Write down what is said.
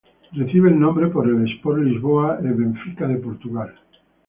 Recibe el nombre por el Sport Lisboa e Benfica de Portugal.